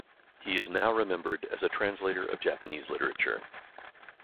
He is now remembered as a translator of Japanese literature.